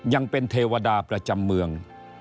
ยังเป็นเทวดาประจำเมือง